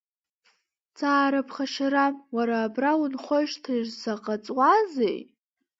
Ҵаара ԥхашьарам, уара абра унхоижьҭеи заҟа ҵуазеи?